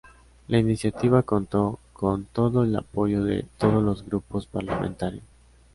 La iniciativa contó con todo el apoyo de todos los Grupos Parlamentarios.